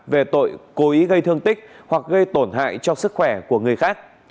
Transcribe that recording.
về tội cố ý gây thương tích hoặc gây tổn hại cho sức khỏe của người khác